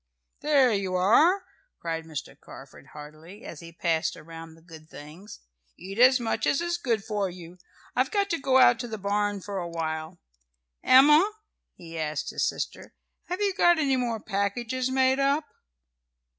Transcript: "There you are!" cried Mr. Carford heartily, as he passed around the good things. "Eat as much as is good for you. I've got to go out to the barn for a while. Emma," he asked his sister, "have you got any more packages made up?"